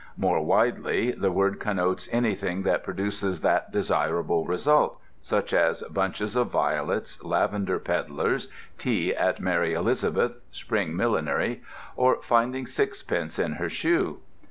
More widely, the word connotes anything that produces that desirable result, such as bunches of violets, lavender peddlers, tea at Mary Elizabeth's, spring millinery, or finding sixpence in her shoe.